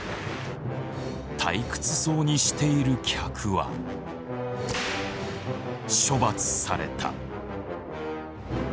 退屈そうにしている客は処罰された。